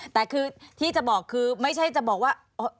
แต่คือที่จะบอกคือไม่ใช่จะบอกว่า